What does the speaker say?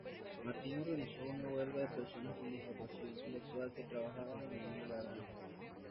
Martin organizó una huelga de personas con discapacidad intelectual que trabajaban en una granja.